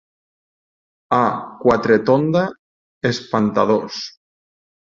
A Quatretonda, espantadors.